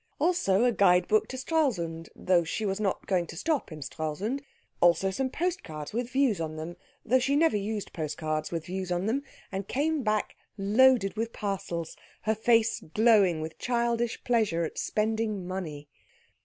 Also a guidebook to Stralsund, though she was not going to stop in Stralsund; also some postcards with views on them, though she never used postcards with views on them, and came back loaded with parcels, her face glowing with childish pleasure at spending money.